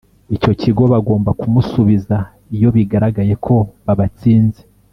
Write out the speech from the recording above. icyo kigo bagomba kumusubiza iyo bigaragaye ko babatsinze